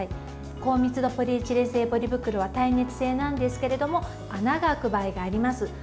高密度ポリエチレン製ポリ袋は耐熱性なんですけれども穴が開く場合があります。